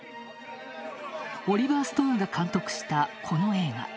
オリバー・ストーンが監督したこの映画。